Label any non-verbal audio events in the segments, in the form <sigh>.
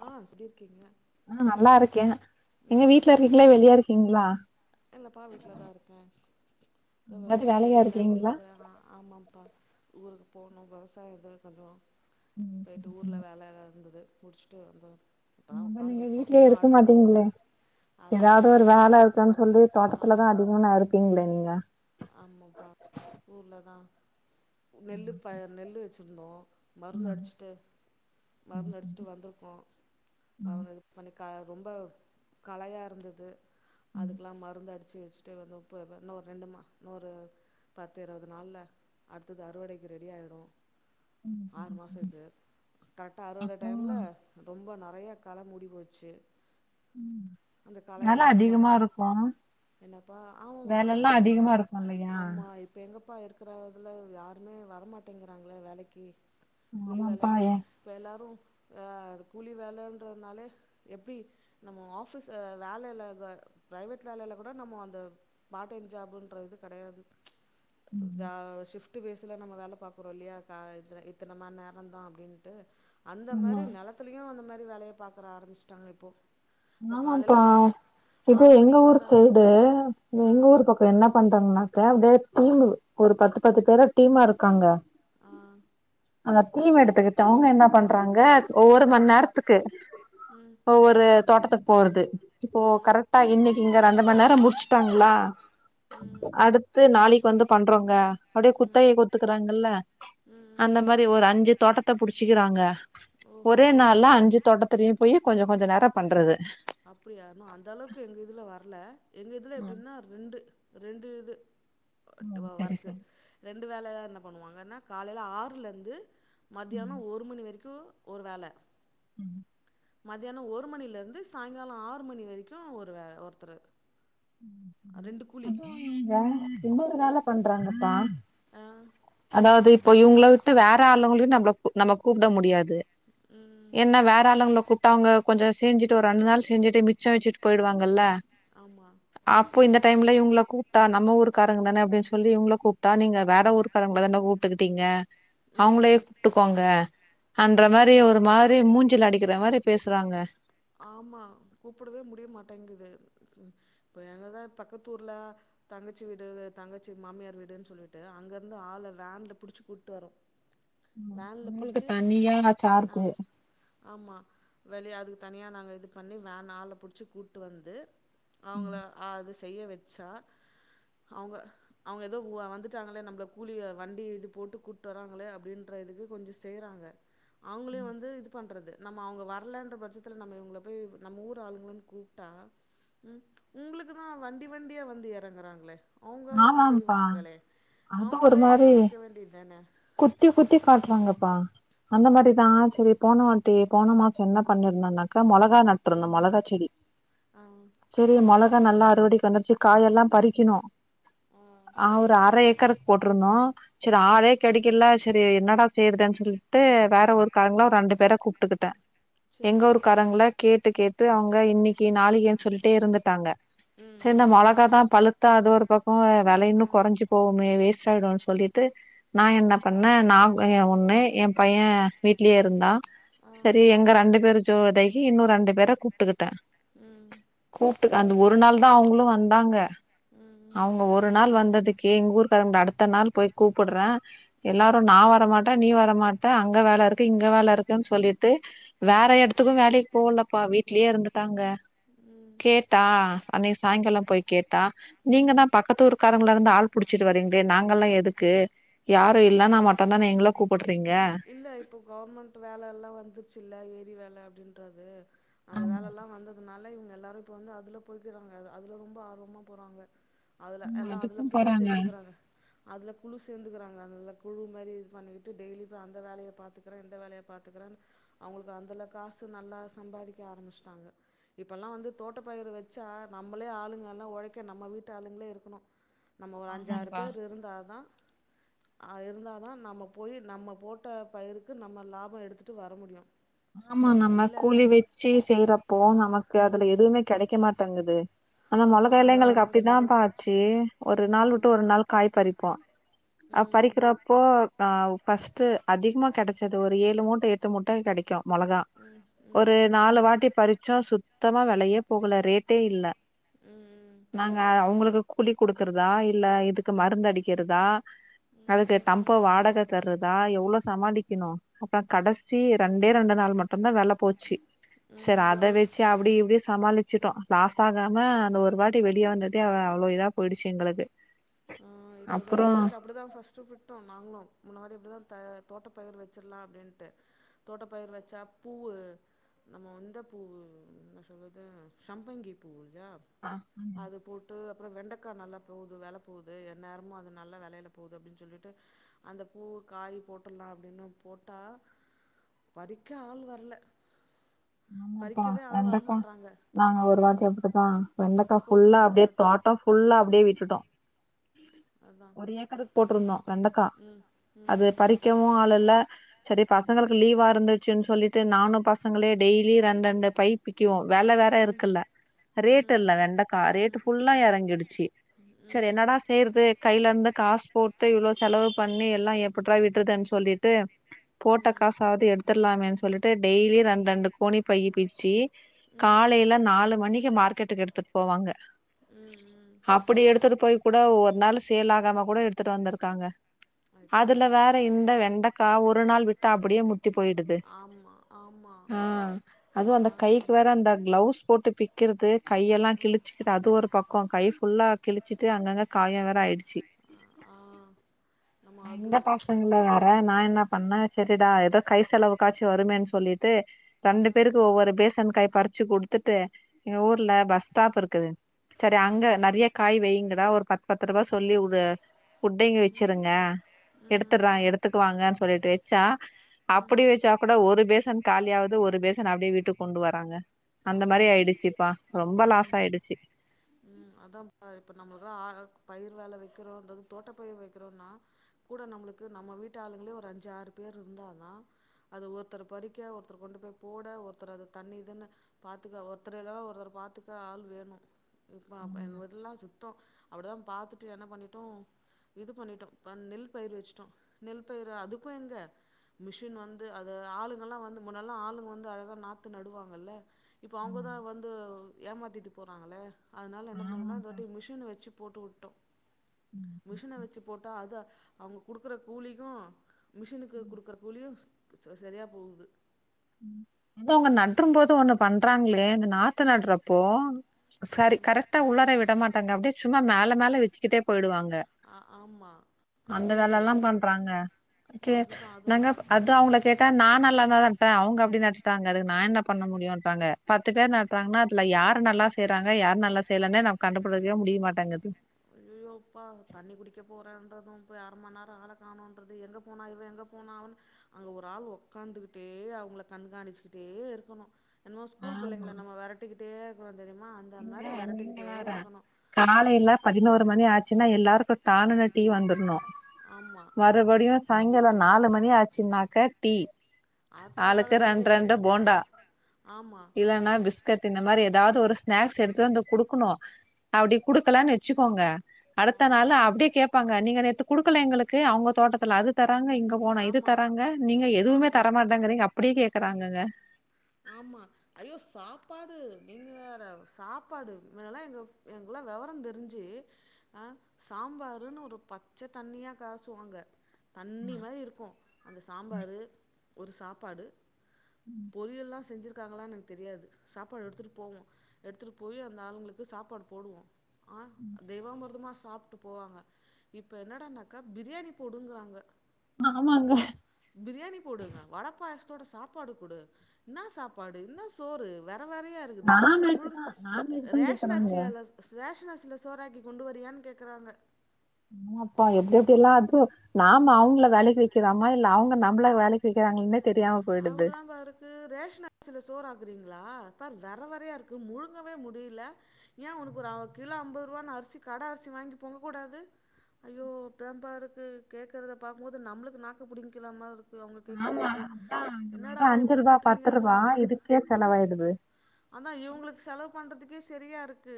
ஆ எப்டி இருக்கீங்க ஆ நல்லா இருக்கேன் எங்க வீட்டுல இருக்கீங்களா வெளிய இருக்கீங்களா இல்லப்பா வீட்டுலதா இருக்கேன் இப்ப எங்காவது விவசாயம் இது வேலையா இல்ல ஊருல இருக்கீங்களா ஆமாப்பா ஊருக்கு போனும் விவசாயம் தா கொஞ்ச ம் போயிட்டு ஊர்ல சரிங்க வேல எல்லா இருந்தது முடிச்சிட்டு வந்தோ இப்பதா நீங்க உக்காந்துருக்கோ வீட்ல இன்னு இருக்க அடுத்தது மாட்டீங்களே போணு அதா அதா ஏதாவது ஒரு ஊருக்கு போ வேல இருக்கு சொ லி தோட்டத்துல தா ஆமா அதிகமானா இருப்பீங்க நீங்க ஆமாப்பா ஊர்ல தா நெல்லு ம் சரி. பயர் நெல்லு சிருந்தோ ஆ மருந்து அடிச்சுட்டு சரி மருந்து அடிச்சுட்டு சரி. வந்திருக்கோம் ம் மருந்து இது பண்ணி க ரொம்ப கலையா இருந்தது. ம் அதுக்கெல்லாம் மருந்து அடிச் வச்சு வச்சுட்டு வந்தம் இன்னும் ஒரு ரெண்டுமா இன்னொரு பத்து இருவது நாள்ல அடுத்தது அறுவடைக்கு ரெடி ஆயிடும் ம் ஆறு சரி மாஷோ சரி. இது கரெக்டா அறுவடை அப்போ டைம்ல ரொம்ப நா நெறைய காள மூடி போச்சு ம் அந்த வேல களையெல்லா என்ன பண்ண அதிகமா இருக்கு என்னப்பா ஆமாமாப்பா வேலலாம் வேல அதிகமா இருக்கு இல்லையா ஆமா இப்பே எங்கப்பா இருக்கற இதுல யாருமே வரமாட்டேங்கிறாங்கள வேலைக்கு கூலி ஆமாப்பா வேலனு ஏ இப்ப எல்லாரு கூலி வேலன்றதுனாலே எப்டி நம்ம ஆஃபிஸ் வேலையில ப்ரைவேட் வேலையில விட நம்ம அந்த பார்ட் டைம் ஜாப்ன்றதுக் கெடையாது ம் ஜ ஷிஃப்ட் ஷிப்டு பேசுல நம்ம வேலை பாக்கறோம் இல்லையா இத்தனை நேரம்தான் அப்படின்ட்டு அந்த ஆமா மாரி நெலத்துலயும் அந்த மாரி வேலையை பாக்கற ஆரம்பிஷ்சிட்டாங்க இப்போ இப்ப காலைல ஆமாம்பா இது ஆறு எங்க மணிக்கு ஊர் வந்தாங்கன்னா சைடு ஆ எங்க ஊர் பக்கம் என்ன பண்றாங்கன்னா <unintelligible> ட டீமு ஒரு பத்து பத்து பேரா டீமா இருக்காங்க ஆ அந்த தீம் எடுத்துக்கிட்டு அவுங்க என்ன பண்றாங்க ஒவ்வொரு மண் நேரத்துக்கு ம் ஒரு தோட்டத்துக்கு போறது இப்போ ம் கரெக்டா இன்னைக்கு இங்க ரெண்டு மண் நேரம் முடச் டாங்களா ம் அடுத்து நாளைக் வந்து பண்றோங்க அப்படியே குத்தகைக்கு ஒத்துக்குறாங்கல்ல ம் அந்த மாரி ஒரு அஞ்சு தோட்டத்த புடிச்சிக்கிறாங்க ஓஹோ ஒரே நாள்ல அஞ்சு தோட்டத்தலயும் போய் கொஞ்சோ கொஞ்சோ நேர பண்றது. அப்படியானும் அந்த அளவுக்கு எங்க இதுல வர்ல எங்க இதில ம் எப்படின்னா ரெண்டு ரெண்டு இது வட்டு ம் சரி ஒர்க் சரி ரெண்டு வேல என்ன பண்ணுவாங்கன்னா காலைல ஆறுல இருந்து ம் மத்தியானம் ஒரு மணி வரைக்கும் கு ஒரு வேல ம் மதியான ஒரு மணில இருந்து சாய்ங்கால ஆறு மணி வரைக்கு ஒரு வே ஒருத்தரு ரெண்டு கூலி அதாங்க வேல என்ன வே வேல பண்றாங்கப்பா ஆ அதாவது இப்ப இவங்கள விட்டு வேற ஆளுவங்களயு நம்ள நம்ம கூப்ட முடியா து ம் ஏன்னா வேற ஆளுவங்ள கூப்ட்டா அங்க கொஞ்ச செஞ்சிட்டு ஒரு ரெண்டு நாள் செஞ்சுட்டு மிச்ச வெச்சுட்டு போயிடுவாங்கல்ல ஆமா அப்போ இந்த டைம்ல இவங்கள கூப்ட்டா நம்ம ஊர்க்காரங்க தானே அப்டின் சொல்லி இவங்கள கூப்ட்டா நீங்க வேற ஊர்க்காரங்கள தான கூப்ட்டுக்கிட்டிங்க அவங்களயே ம் கூப்ட்டுக்கோங்க ஐயோ அன்ற மாரி ஆமா ஒரு மாரி மூஞ்சில அடிக்கிற மாரி பேசறாங்க ஆமா கூப்பிடவே முடிய மாட்டேங்குது இப்ப எங்கதான் பக்கத்துர்ல தங்கச்சி வீடு தங்கச்சி மாமியார் வீடுன்னு சொல்லிட்டு அங்க இருந்து ஆள் வேன்ல புடிச்சு கூப்பிட்டு வரோம் ம், வேன்ல உங்களுக்கு புடிச்சு தனியா ஹ சார்ஜ் ஆமா வெளிய அது தனியாக நாங்க இது பண்ணி வேன் ஆளை பிடிச்சி கூட்டு வந்து அவங்கள அது செய்ய வச்சா அவங்க அவங்க ஏதோ வந்துட்டாங்களே நம்மள கூலி வண்டி இது போட்டு கூட்டு வராங்களே அப்படின்ற இதுக்கு கொஞ்சம் செய்யறாங்க அவங்களையும் வந்து இது பண்ணுறது நம்ம அவங்க வரலன்ற பட்ச த்துல நம்ம இவுங்கள போய் நம்ம ஊர் ஆளுங்களனு கூப்பிட்டா உ உங்களுக்குதான் வண்டி வண்டியா வந்து இறங்குறாங்களே ஆமாம்பா அது ஒரு அவங்களே மாரி வச்சுக்க வேண்டியது தான குத்தி குத்தி காட்டுறாங்க ப்பா அந்த மாரிதான் சரி போன வாட்டி போன மாசம் என்ன பண்ணிருந்தனாக்கா முளகா நட்டுருந்தம் முளகா செடி ஆ செரி முள நல்லா அறுவடைக்கு வந்துருச்சு காய எல்லாம் பறிக்கணும் ஆ அவரு அறை ஏக்கர் போட்டிருந்தோம் சரி ஆளே கிடைக்கல சரி என்னடா செய்யறதுேன்னு சொல்லிட்டு வேற ஊரு காரங்கள ஒரு ரெண்டு பேர கூப்பிட்டுக்கிட்டேன் எங்க சரி ஊருகாரங்கல கேட் டு கேட்டு அவங்க இன்னைக்கு நாளைக்குன் சொல்லிட்டே இருந்துட்டாங்க ம் செரி இந்த ம் மிளகா புரியுது தான் பழுத்தா அது ஒரு பக்கம் விலை இன்னும் குறைஞ்சு போகுமே வேஸ் சா ஆயிடும் சொல்லி ட்டு நா ஆ என்ன பண்ணேன் நா என் ஒண்ணு என் பையன் வீட்லயே இருந்தான் ஆ செரி எங்க ரெண்டு பேரு ஜோ இதாகி இன்னும் ரெண்டு பேர கூப்பிட்கு ட்டே ம் கூப் டு அந்த ஒரு நாள் தான் அவங்களும் வந்தாங்க உம் அவங்க ஒரு நாள் வந்ததுக்கே எங்க ஊருக்காரங்கள அடுத்த நாள் போய் கூப்பிடுறேன் ம் எல்லாரும் நா வரமாட்டேன் நீ வரமாட்டேன் அங்க வேலை இருக்கு இங்க வேலை இருக்குன்னு சொல்லிட்டு வேற இடத்துக்கும் வேலைக்கு போகல அப்பா வீட்லயே இருந்துட்டாங்க ம் கேட்டா அன்னைக்கு சாயங்காலம் போய் கேட்டா நீங்க தான் பக்கத்து ஊருக்காரவங்கள இருந்து ஆள் புடிச்சிட்டு வர்ரீங்களே நாங்கெல்லாம் எதுக்கு யாரும் இல்லைன்னா மட்டும்தான் நீங்க எங்களை கூப்பிடுறீங்க இல்ல இப்போ ல அப்படின்றது அந்த வேலை எல்லாம் வந்த அதனால இவங்க எல்லாரும் இப்ப வந்து அதுல போய்க்கிறாங்க அதுல ரொம்ப ஆர்வமா போறாங்க அதுல ஆமா எல்லாம் அதுல அதுக்கும் குழு போறாங்க சேர்ந்துக்கிறாங்க அதுல குழு சேர்ந்துக்கிறாங்க அந்த குழு மாதிரி இது பண்ணிக்கிட்டு டெய்லி போய் அந்த வேலையை பாத்துக்கிறேன் இந்த வேலையை பாத்துக்கிறேன் அவங்களுக்கு அதுல காசு நல்லா சம்பாதிக்க ஆரம்பிச்சுட்டாங்க இப்போல்லாம் வந்து தோட்டப்பயிற வச்சா நம்மளே ஆளுங்க எல்லா உழைக்க நம்ம வீட்டு ஆளுங்களே இருக்கணு நம்ம ஒரு அஞ்சாறு ஆமாப்பா பேர் இருந்தாதா அஹ் இருந்தாதா நம்ம போய் நம்ம போட்ட பயிருக்கு நம்ம லாபம் எடுத்து வர முடியும் ஆமா நம்ம கூலி வச்சு செய்யறப்போ ஆ நமக் அதுல எதுவுமே கிடைக்க மாட்டேங்குது னா அது நல்ல வேலை அவங்கள வர எங்களுக்கு வச்சு அப்டிதாம்பா ஆச்சு ஒரு ஆ நாள் விட்டு ஒரு நாள் காய் பறிப்போ அ ம் பறிக்கிறப்போ அஹ் ஃபர்ஸ்ட்டு அதிகமா கிடைச்சது ஒரு ஏழு மூட்டை எட்டு மூட்டை கிடைக்கு மொளகா ம் ஒரு ம் நாலு வாட்டி பறிச்சோ சுத்தமா விலையே போகல ரேட்டே இல்ல ம் நாங்க அவங்களுக்கு கூலி குடுக்குறதா இல்ல இதுக்கு மருந்து அடிக்கிறதா ம் அதுக்கு தம்ப வாடகக் தர்றதா எவ்வளோ சமாளிக்கணும் அப்புறோ கடைசி ரெண்டு ரெண்டேரெண்டு நாள் மட்டும்தா வெல போச்சு செரி ம் அதை வச்சு அப்டி இப்டி சமாளிச்சுட்டோ லாஸ் ஆகாம அந்த ஒரு வாட்டி வெளியே வந்ததே அவ்ளோ இதா போயிடுச்சு எங்களுக்கு ஆஹ் இப்போதான் அப்புறோ எங்க வீட்டுல அப்டிதா ஃபர்ஸ்ட் விட்டோ நாங்களு முன்னாிரி அப்டிதா த தோட்டப்பயிர் வச்சிடலா அப்டின்ட்டு தோட்டப்பயிரு வச்சா பூவு நம்ம இந்த பூவு என்ன சொல்றது சம்பங்கி பூவு ஹ ஆ அது போட்டு அப்புறோ வெண்டக்காய்நல்லா போகுது வெல போகுது எந நேரமு அது நல்ல வெலயில போகுது அப்டின்னு சொல்லிட்டு அந்த பூ காய் போட்டுடலாம் அப்டின்னு போட்டா பரிக்க ஆள் வரல ஆமாப்பா பறிக்கவே ஆள் வெண்டைக்கா வரமாட்றாங்க நாங்க ஒரு வாட்டி அது அப்படித்தா வெண்டக்கா போட்டு ஃபுல்லா விட்டுட்டு அப்டியே வட்டோ தோட்டம் ஃபுல்லா அப்டியே விட்டுட்டோ அதா ஒரு ஏக்கர்க் போட்டுருந்தோ வெண்டக்கா ம் அது ம் பறிக்கவு ஆளு இல்ல செரி பசங்களுக்கு லீவா இருந்துச்சுன்னு சொல்லிட்டு நானு பசங்களே டெய்லி ரெண்டு ரெண்டு பை பிக்கிவோ வெல வேற இருக்குல்ல ரேட்டு் இல்ல ம் வெண்டைக்கா ம் ம் ரேட்டு் ஃபுல்லா இறங்கிடுச்சு செரி என்னடா ம் செய்யறது கையில இருந்து காசு போட்டு இவ்வளோ செலவு பண்ணி எல்லா எப்ரடா விட்டுறதுேன்னு சொல்லிட்டு போட்ட காசாவது எடுத்தரலாமேன்னு சொல்லிட்டு டெய்லி ரெண்டு ரெண்டு கோணி பயி பிச்சி ம் ம் காலையில நாலு மணிக்கு மார்க்கெட்டுக்கு எடுத்து போவாங்க ம் அப்பிடி எடுத்துட்டு போய் கூட ஒவ்வொரு நாளு சேல் ஆகாம கூட எடுத்துட்டு வந்திருக்காங்க அதுல அச்சச்சோ வேற இந்த வெண்டக்கா ஒரு நாள் விட்டா அப்டியே முத்தி போயிடுது ஆமா ஆமா ஆ அதுவு அந்த அதுதா கைக்கு வேற அந்த கிளவுஸ் போட்டு ஃபி கிறது கையெல்லா கிழிச்சிகிட்டு அது ஒரு பக்கோ கை ஃபுல்லா கிழிச்சிட்டு அங்கங்க காயொ வே ஆயிடு ச்சி ஆ ஆ நம்ம அ அது இந்த பசங்கள வேற நா என்ன பண்ணே செரிடா எதோ கை செலவு காச்சி வருமேன் சொல்லிட்டு ஆ ரண்டு பேருக்கு ஒவ்வொரு பேசின் காய் பறிச்சு குடுத்துட்டு எங்க ஊர்ல ம் பஸ் ஸ்டாப் இருக்குது செரி அங்க நறியா காய் வெய்ங்கடா ஒரு பத் பத் ருபா சொல்லி உடு உட்டிங்க வெச்சிருங்க ம் எடுத்தர்றா எடுத்துக்குவாங்கன் சொல்லிட்டு ச்சா ம் அப்டி வெச்சா கூட ஒரு பேசன் ஆவுது ஒரு பேசன் அப்டே வீட்டுக் கொண்டு வராங்க அந்த மாரி அடக்கடவு ஆயிடுச்சுப்பா ரொம்ப லாஸ் ம் ம் ஆயிடுச்சு ம் அதாம்ப்பா இப்ப நம்மளுக்ளா அ அ பயிர் வேலே வெக்கிறோன்றது தோட்ட பயிர் வெக்கிறோன்னா கூட நம்மளுக்கு நம்ம வீட்டு ஆளுங்களே ஒரு அஞ்சு ஆறு பேர் இருந்தாதா அது ஒருத்தர் பறிக்க ஒருத்தர் கொண்டு போய் போட ஒருத்தர் அது தண்ணிதுன்னு பாத்துக்கா ஒருத்தர் இல்லன ஒருத்தர் பாத்துக்கா ஆள் வேணு இப்ப அப் ஆமா எங்கவீட்லா சுத்தோ அப்டிதா பாத்துட்டு என்ன பண்ணிட்டோ இது பண்ணிட்டோ ப நெல் பயிர் வெச்சுட்டோ நெல் பயிர அதுக்கு எங்க மிஷின் வந்து அத ஆளுங்கல்லா வந்து முன்னெல்லா ஆளுங்க வந்து அழகா நாத்து நடுவாங்கல்ல இப்போ ஆமா அவுங்கதா வந்து ஏமாத்திட்டு போறாங்கள்ல அதுனால என்ன <unintelligible> இந்த ஆமாம்ப்பா வாட்டி மிஷின வெச்சு போட்டு உட்டோ ம் மிஷின வெச்சி போட்டா அது அவுங்க குடுக்கற கூலிக்கூ மிஷினுக்கு குடுக்குற கூலியுஸ் செ செரியா போகுது ம் அது அவுங்க நட்ரும் போது ஒன்னு பண்றாங்ளே இந்த நாத்து நட்றப்போ சரி கரெக்ட்டா உள்ளாரயே விட மாட்டாங்க அப்டே சும்மா மேல மேல வெச்சுக்கிட்டே போயிடுவாங் க ஆமா அந்த அது வேலை ஒன்னு எல்லாம் பண்றாங்க கே அதுதா அது நாங்க ஒன்னு அத்தா அவுங்ள கேட்டா நா நல்லாந்தாதா ங்க அப்டி நட்டுட்டாங்க அதுகு நா என்ன பண்ண முடியுன்றாங்க பத்து பேர் நட்றாங்கன்னா அதுல யார் நல்லா செய்றாங்க யார் நல்லா செய்யலனே நம் கண்டுபுடிக்கவே முடிய மாட்டங்கிது அய்யயோ அப்பா தண்ணி குடிக்க போறேன்றதும் போயி அர மண் நேரோ ஆள காணோன்றது எங்க போனா இவ எங்க போன அவன் அங்க ஒரு ஆள் ஒக்காந்துகிட்டே அவுங்கள கண்காணிச்சுகிட்டே இருக்கணு என்மோ ஸ்கூல் பிள்ளைங்கள நம்ம வெரட்டிக்கிட்டேருக்கவ இங்க நீங்க வேற கனாலெல்ல பதினோர் ரு மணி ஆச்சுன்னா எல்லாருக்கூ டான்னுனு டீ வந்துர்ணூ ஆமா மறுபடியூ சாய்ங்காலே நாலு மணி ஆச்சுன்னாக்கா டி ஆத்தாளுக்கு ஆளுக்கு அது ரெண் புது ரெண்டு போண்டா தொழில் ஆமா ஆமா இல்லனா பிஸ்கட்டு இந்த மாரி ஏதாவ்து ஒரு எடுத்து வந்து குடுக்கணூ அப்டி குடுக்கலன் வச்சுக்கோங்க அடுத்த நாள் அப்டியே கேப்பாங் க நீங்க நேத்து குடுக்கல எங்களுக்கு அவுங்க தோட்டத்துல அது த ங்க இங்க போனா இது ஆமா தராங்க நீங்க எதுவுமே தர ஆமா மாட்டேங்கிறீங்க அப்டியே கேக் க்கறாங்கங்க ஆமா ஐயோ சாப்பாடு நீங்க வேற சாப்பாடு மேலா எங்க எங்கல்லா வெவரோந்தெரிஞ்சு அ சாம்பாருன்னு ஒரு பச்ச தண்ணியா கரசுவாங்க தண்ணி ம். மாதி இருக்கூ அந்த சாம்பாரு ஒரு சாப்பாடு ம் பொரியெல்லா செஞ்சுருக்காங்களான் எனக்கு தெரியாது சாப்பாடு எடுத்துட்டு போவோ எடுத்துட்டு போய் அந்த ஆளுங்களுக்கு சாப்பாடு போடுவோ ஆ தேவாமிர்தமா ஸ் சாப்ட்டு போவாங்க இப்போ என்னடனாக்கா பிரியாணி போடுங்கறாங்க ஆமாங்க பிரியாணி போடுங்க வடப்பாயஸ் தோட சாப்பாடு குடு என்னா சாப்பாடு என்ன சோறு வே ற வேறையா இருக்குது கொட்ட நான்வெஜ் தான் நான்வெஜ் <unintelligible> தான் ரேஷன் கேக்குறாங்க அரிசியால ரேஷன் சில சோறாக்கி கொண்டு வரியான்னு கேக்குறாங்க ஆமாப்பா எப்டி எப்டி எல்லா அதுவூ நாம அவங்கள வேலைக்கு வக்கிறாமா இல்ல அவங்க நம்மள வேலைக்கு வக்கிறாங்கனே அப்டிதாம்பா இருக்கு ரேஷன் அரிசில சோறாக்குறீங் ளா பார் வெர வெரையா இருக்கு முழுங்கவே முடில ஏ உனக்கு ஒரு கிலோ அம்பதுரூவான் அரிசி கட அரிசி வாங்கி பொங்கக்கூடாது ஐயோ பேம்பாருக்கு கேக்குறத பாக்கும்போது நம்மளுக்கு நாக்க பிடிங்க்கலாமா மார் இருக்கு அவங்க கேக்கற இது என்னடா தா அஞ்சு இப்படி ரூபா பத்து திட்டுறீங்க ரூபா சாப்பாடு இதுக்கே செலவாயிடுது கே செரியாருக்கு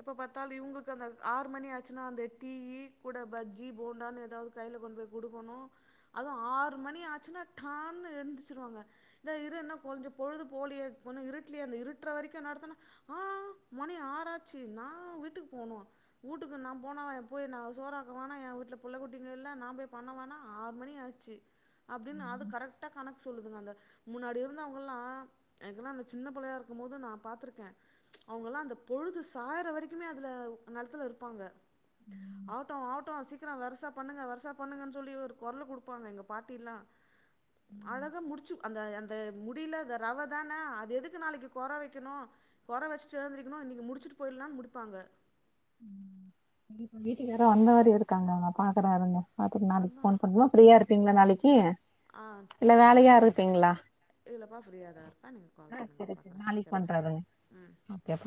எப்ப பாத்தால் இவுங்குக்கு அந்த ஆறுமணி ஆச்சுனா டீ கூட பஜ்ஜி போண்டா எதாவ்து கைல கொண்டுபோய் குடுக்கணூ அதுவூ ஆறுமணி ஆச்சுனா டான்னு எஞ்சிருவாங்க த இரு ன்னு கொஞ்சோ பொழுது போலயே வொன்னும் இருட்டிலேயே அந்த இருட்ட வரைக்கும் நடத்தணு ஹா மணி ஆறாச்சி நா வீட்டுக்கு போனு வூட்டுக்கு நா போனா எப் போயி சோராக வேணா என் வீட்ல புள்ள குட்டிங்க இல்ல நான் போய் பண்ண வாணா ஆறு மணி ஆச்சு அப்டின்னு அது கரெக் டா கணக்கு சொல்லுதுங்க அந்த முன்னாடி இருந்தவங்கல்லாம் எனக்கல்லாம் அந்த சின்ன புள்ளையா இருக்கும் போது நான் பாத்துருக்க அவங்கல்லாம் அந்த பொழுது சாயிர வரைக்குமே அதுல நிலத்துல இருப்பாங்க அவுட்டு ஆவுட்டு சி க்கிற வருசா பண்ணுங்க வருசா பண்ணுங்கன்னு சொல்லி ஒரு குரல கொடுப்பாங்க எங்க பாட்டிலா அழக முடிச்சு அந்த அந் த முடியல இந்த ரவ தானே அது எதுக்கு நாளைக்கு குற வைக்கணும் குற வச்சிட்டு எழுந்திரக்கணும் இன்னைக்கி முடிச்சிட்டு போயிடலனான்னு முடிப்பாங்க ம் வீட்டுக்கு யாரோ வந்த மாரி இருக்காங்க பாக்குற இருங்க பாத்துட் நாளைக்கு அதா ஃபோன் பண்ணுவோ ஃப்ரீயா இருப் பீங்களா நாளைக்கு ஆ இல்ல நல்லா வேலையா ஃப்ரீ இருப்பீங்களா இல்லப்பா ஃப்ரீயா தான் இருப்பே நீங்க கால் ஆ பண்ணுங்க சரி சரி பாக்குறே நாளைக்கு ஓகேப்பா ஆ பண்றதுங்க ம் ஓகேப்பா